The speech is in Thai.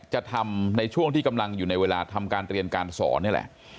จะทำในช่วงที่กำลังอยู่ในเวลาทำการเรียนการสอนนี่แหละ